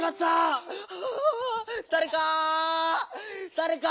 だれか！